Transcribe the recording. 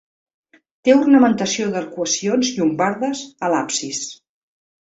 Té ornamentació d'arcuacions llombardes, a l'absis.